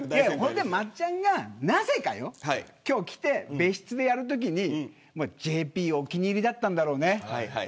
それで松ちゃんがなぜか今日来て別室でやるときにＪＰお気に入りだったんだろうね。